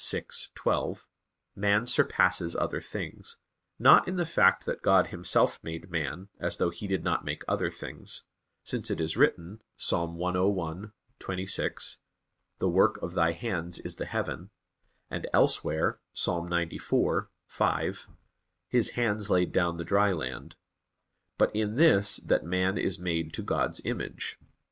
vi, 12), man surpasses other things, not in the fact that God Himself made man, as though He did not make other things; since it is written (Ps. 101:26), "The work of Thy hands is the heaven," and elsewhere (Ps. 94:5), "His hands laid down the dry land"; but in this, that man is made to God's image.